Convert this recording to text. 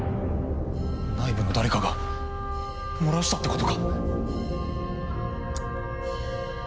内部の誰かが漏らしたってことか！？